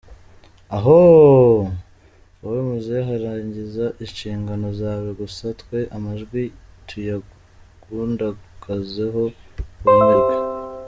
Ahoooooooooo!!!!!!! Wowe muzehe rangiza inshingano zawe gusa twe amajwi tuyagundagazeho bumirwe!!!!.